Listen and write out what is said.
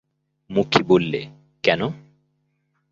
মক্ষী বললে, কেন?